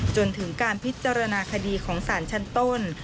จนถึงการพิจารณาคดีของสารชั้นต้น